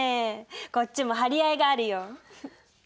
こっちも張り合いがあるよ。